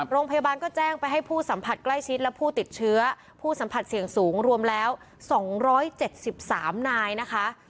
โรงพยาบาลก็แจ้งไปให้ผู้สัมผัสใกล้ชิดและผู้ติดเชื้อผู้สัมผัสเสี่ยงสูงรวมแล้ว๒๗๓นายนะคะ